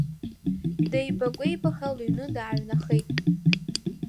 Деибакәеибаха лыҩны дааҩнахеит.